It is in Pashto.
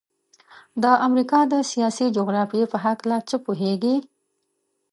د امریکا د سیاسي جغرافیې په هلکه څه پوهیږئ؟